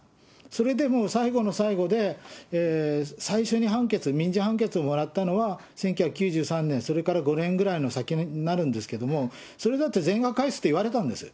それでも最後の最後で、最初に判決、民事判決をもらったのは、１９９３年、それから５年ぐらいの先になるんですけれども、それだって全額返すと言われたんです。